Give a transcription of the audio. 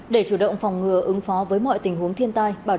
để chủ động phòng ngừa ứng phó với mọi tình huống thiên tai